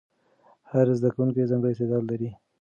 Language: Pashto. هر زده کوونکی ځانګړی استعداد لري.